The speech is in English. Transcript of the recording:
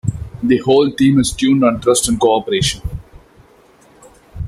The whole team is tuned on trust and cooperation.